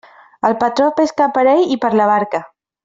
El patró pesca per ell i per la barca.